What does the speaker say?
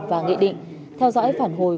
và nghị định theo dõi phản hồi